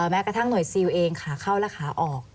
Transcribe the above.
แม้กระทั่งหน่วยซิลเองขาเข้าและขาออก